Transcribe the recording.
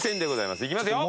いきますよ！